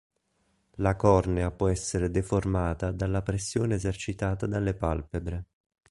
La cornea può essere deformata dalla pressione esercitata dalle palpebre.